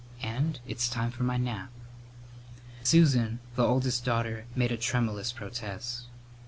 "And it's time for my nap." Susan, the oldest daughter, made a tremulous protest.